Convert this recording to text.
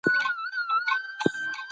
هغوی راپورونه چمتو کوي.